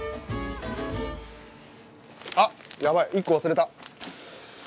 あっやばい１個忘れた。